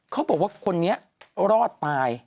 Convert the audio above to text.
เขาบอกว่าคนนี้รอดตาย